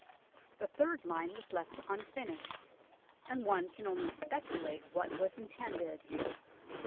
The third line was left unfinished, and one can only speculate what was intended.